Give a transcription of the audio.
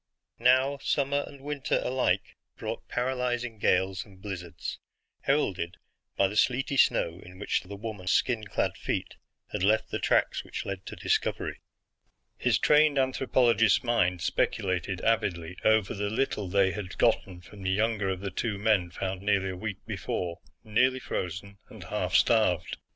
Now, summer and winter alike brought paralyzing gales and blizzards, heralded by the sleety snow in which the woman's skin clad feet had left the tracks which led to discovery. His trained anthropologist's mind speculated avidly over the little they had gotten from the younger of the two men found nearly a week before, nearly frozen and half starved.